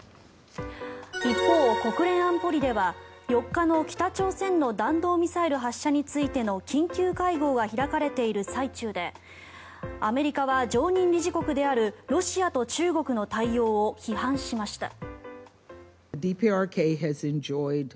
一方、国連安保理では４日の北朝鮮の弾道ミサイル発射についての緊急会合が開かれている最中でアメリカは常任理事国であるロシアと中国の対応を批判しました。